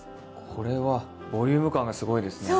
これはボリューム感がすごいですね。